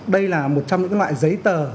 đây là một trong những loại giấy tờ